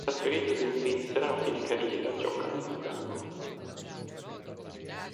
Trasferitosi in Svizzera a fine carriera gioca nel Lugano.